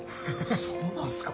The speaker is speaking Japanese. そうなんすか？